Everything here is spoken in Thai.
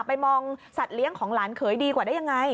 ไปมองสัตว์เลี้ยงของหลานเขยดีกว่าได้ยังไง